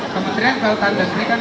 kementerian kewatan dan negeri kanan